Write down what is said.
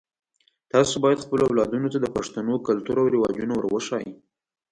تاسو باید خپلو اولادونو ته د پښتنو کلتور او رواجونه ور وښایئ